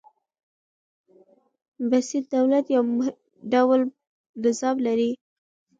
بسیط دولت يو ډول نظام لري.